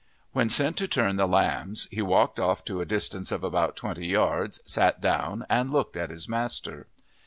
When sent to turn the lambs he walked off to a distance of about twenty yards, sat down and looked at his master.